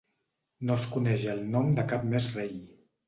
No es coneix el nom de cap més rei.